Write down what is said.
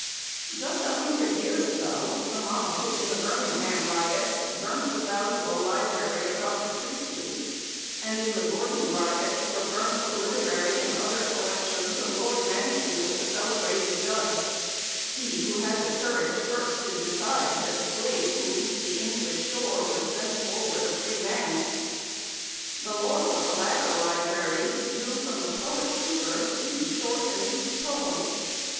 Just a hundred years ago the mob, in the "Birmingham Riots," burnt the valuable library of Dr. Priestley, and in the "Gordon Riots" were burnt the literary and other collections of Lord Mansfield, the celebrated judge, he who had the courage first to decide that the Slave who reached the English shore was thenceforward a free man. The loss of the latter library drew from the poet Cowper two short and weak poems.